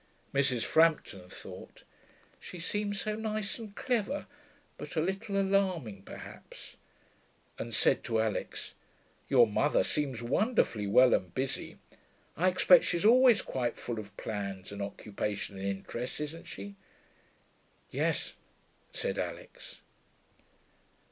Mrs. Frampton thought, 'She seems so nice and clever, but a little alarming, perhaps,' and said to Alix, 'Your mother seems wonderfully well and busy. I expect she's always quite full of plans and occupations and interests, isn't she?' 'Yes,' said Alix.